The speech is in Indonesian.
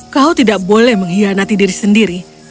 kau tidak boleh mengkhianati diri sendiri